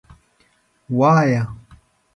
وایه.